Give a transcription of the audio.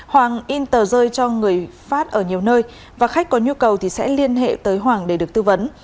hoàng in tờ rơi cho người phát ở nhiều nơi và khách có nhu cầu thì sẽ liên hệ tới hoàng để được tư vấn